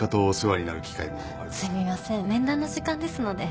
すみません面談の時間ですので。